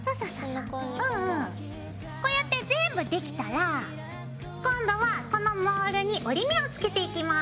こうやって全部できたら今度はこのモールに折り目をつけていきます。